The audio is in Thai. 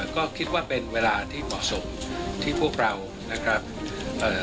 ก็คิดว่าเป็นเวลาที่เหมาะสมที่พวกเรานะครับเอ่อ